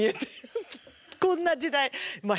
こんな時代まあ